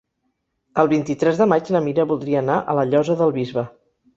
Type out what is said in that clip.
El vint-i-tres de maig na Mira voldria anar a la Llosa del Bisbe.